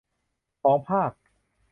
ของภาค